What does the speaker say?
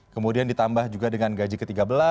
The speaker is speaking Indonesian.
kemudian ditambah juga dengan gaji ke tiga belas